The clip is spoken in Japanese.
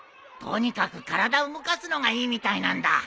とにかく体動かすのがいいみたいなんだ。